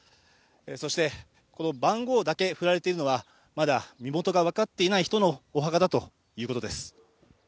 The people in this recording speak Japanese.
そして、この番号だけ振られているのは、まだ身元がわかっていない人のお墓だということです。